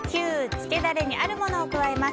つけダレにあるものを加えます。